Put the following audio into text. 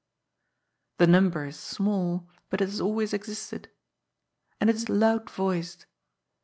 The number is small, but it has always existed. And it is loud voiced.